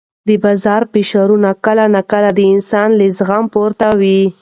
د بازار فشارونه کله ناکله د انسان له زغمه پورته وي.